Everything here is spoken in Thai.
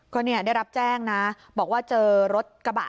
ก็เนี่ยได้รับแจ้งนะบอกว่าเจอรถกระบะ